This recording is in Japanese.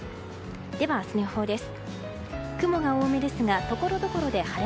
では、明日の予報です。